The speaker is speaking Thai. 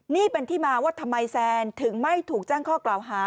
นี่เป็นที่มาว่าทำไมแซนถึงไม่ถูกแจ้งข้อกล่าวหา